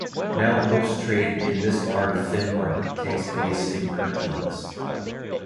Now most trade in this part of Finnmark takes place in Kirkenes.